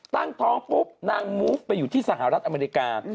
ตั้งท้องปุ๊บนางมูฟไปอยู่ที่สหรัฐอเมริกา